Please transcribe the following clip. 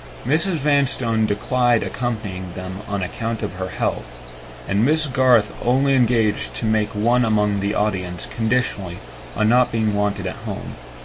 Mrs. Vanstone declined accompanying them on account of her health; and Miss Garth only engaged to make one among the audience conditionally on not being wanted at home.